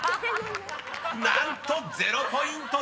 ［何と０ポイント